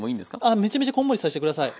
あめちゃめちゃこんもりさして下さい。